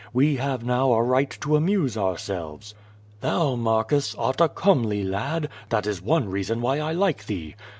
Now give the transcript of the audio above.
We have now a right to amuse ourselves. Thou, Marcus, art a comely lad, that is one reason why I like thee.